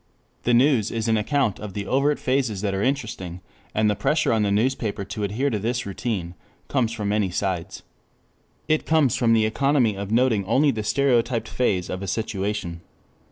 The news is an account of the overt phases that are interesting, and the pressure on the newspaper to adhere to this routine comes from many sides. It comes from the economy of noting only the stereotyped phase of a situation.